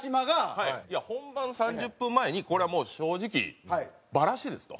本番３０分前にこれはもう正直バラシですと。